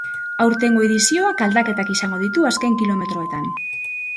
Aurtengo edizioak aldaketak izango ditu azken kilometroetan.